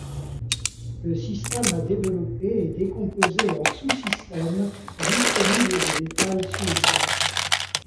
Le système à développer est décomposé en sous-systèmes jusqu'au niveau de détail souhaité.